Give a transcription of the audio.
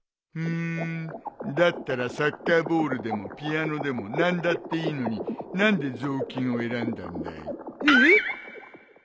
ふーんだったらサッカーボールでもピアノでも何だっていいのに何で雑巾を選んだんだい？えっ！？